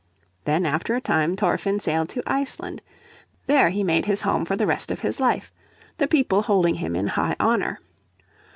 Then after a time Thorfinn sailed to Iceland. There he made his home for the rest of his life, the people holding him in high honour.